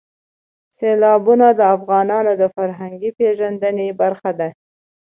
سیلابونه د افغانانو د فرهنګي پیژندنې برخه ده.